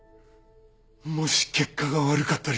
もし結果が悪かったりしたら。